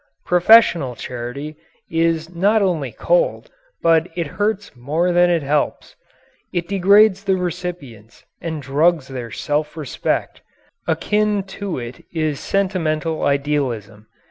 Professional charity is not only cold but it hurts more than it helps. It degrades the recipients and drugs their self respect. Akin to it is sentimental idealism.